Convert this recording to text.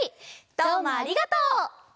どうもありがとう！